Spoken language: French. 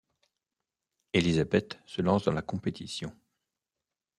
Élisabeth se lance dans la compétition.